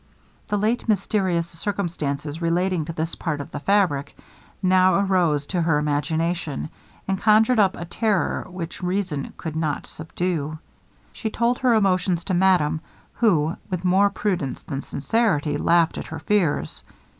The late mysterious circumstances relating to this part of the fabric, now arose to her imagination, and conjured up a terror which reason could not subdue. She told her emotions to madame, who, with more prudence than sincerity, laughed at her fears.